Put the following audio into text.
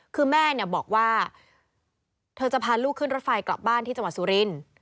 คือแม่เนี่ยบอกว่าเธอจะพาลูกขึ้นรถไฟกลับบ้านที่จังหวัดสุรินทร์